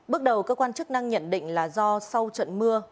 bước đầu cơ quan chức năng nhận định là do sau trận mưa